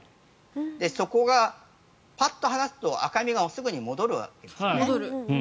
そこがパッと離すと赤みがすぐに戻るわけですね。